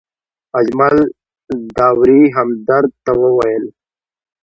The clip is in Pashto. اجمل داوري همدرد ته وویل.